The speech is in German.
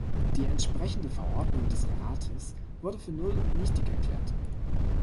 Die entsprechende Verordnung des Rates wurde für null und nichtig erklärt.